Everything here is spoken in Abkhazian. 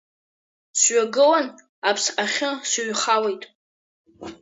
Сҩагылан, аԥсҟахьы сыҩхалеит.